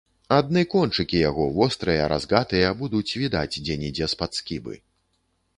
Адны кончыкі яго, вострыя, разгатыя, будуць відаць дзе-нідзе з-пад скібы.